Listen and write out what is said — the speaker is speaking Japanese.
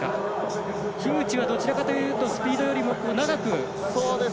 樋口はどちらかというとスピードよりも長く。